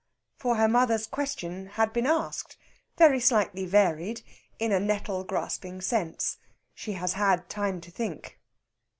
For her mother's question had been asked, very slightly varied, in a nettle grasping sense. She has had time to think.